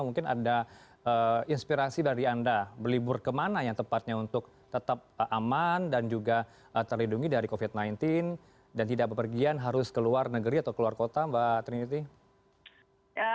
mungkin ada inspirasi dari anda berlibur kemana yang tepatnya untuk tetap aman dan juga terlindungi dari covid sembilan belas dan tidak berpergian harus ke luar negeri atau keluar kota mbak trinity